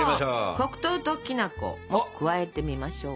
黒糖ときなこを加えてみましょう。